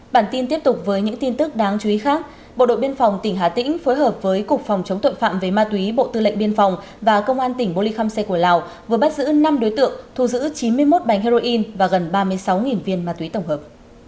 bản tin tiếp tục với những tin tức đáng chú ý khác bộ đội biên phòng tỉnh hà tĩnh phối hợp với cục phòng chống tội phạm về ma túy bộ tư lệnh biên phòng và công an tỉnh bô ly khâm xe của lào vừa bắt giữ năm đối tượng thu giữ chín mươi một bánh heroin và gần ba mươi sáu viên ma túy tổng hợp